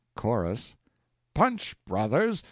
CHORUS Punch, brothers!